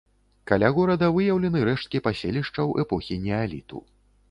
Каля горада выяўлены рэшткі паселішчаў эпохі неаліту.